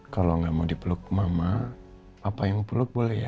kalau gak mau dipeluk ke mama papa yang peluk boleh ya